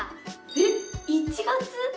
えっ１月？